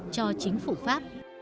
cho chính phủ pháp